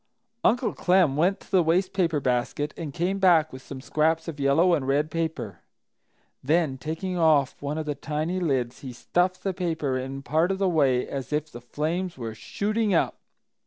Uncle Clem went to the waste paper basket and came back with some scraps of yellow and red paper. Then, taking off one of the tiny lids, he stuffed the paper in part of the way as if the flames were "shooting up!"